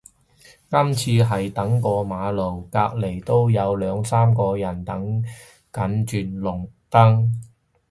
今次係等過馬路，隔離都有兩三個人等緊轉綠燈